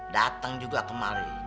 dateng juga kemari